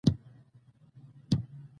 د ولس ملاتړ مهم دی